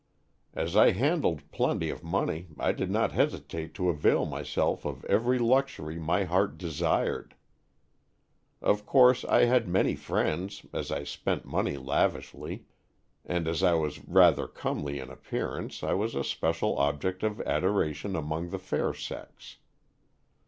As I handled plenty of money, I did not hesitate to avail myself of every luxury my heart desired. Of course I had many friends as I spent money lavishly, and as I was rather comely in appear ance, I was a special object of adora tion among the fair sex.